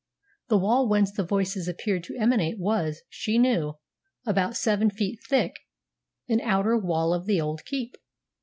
The wall whence the voices appeared to emanate was, she knew, about seven feet thick an outer wall of the old keep.